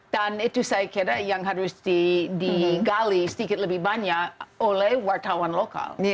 dan itu saya kira yang harus digali sedikit lebih banyak oleh wartawan lokal